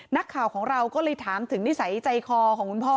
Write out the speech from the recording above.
นักข่าวของเราก็เลยถามถึงนิสัยใจคอของคุณพ่อ